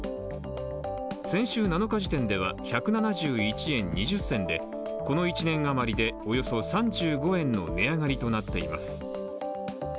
先週７日時点では１７１円２０銭でこの１年あまりでおよそ３５円の値上がりとなっています。